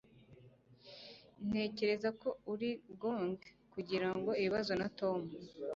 Ntekereza ko uri gong kugira ibibazo na Tom.